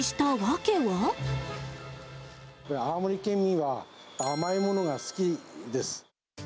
青森県民は甘いものが好きです。